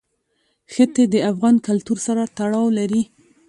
ښتې د افغان کلتور سره تړاو لري.